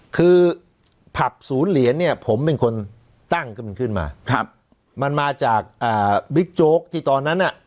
คือผับศูนย์เหรียญเนี่ยผมเป็นคนตั้งขึ้นมาครับมันมาจากบิ๊กโจ๊กที่ตอนนั้นน่ะ